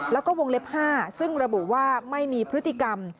แล้วก็วงเล็บ๕ซึ่งระบุว่าไม่มีพฤติกรรม